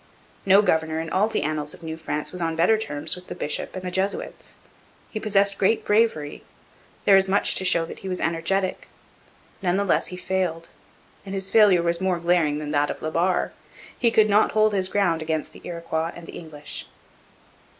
No governor in all the annals of New France was on better terms with the bishop and the Jesuits. He possessed great bravery. There is much to show that he was energetic. None the less he failed, and his failure was more glaring than that of La Barre. He could not hold his ground against the Iroquois and the English.